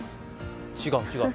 違う、違う。